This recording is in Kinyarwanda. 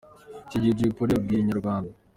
Iki gihe Jay Polly yabwiye Inyarwanda.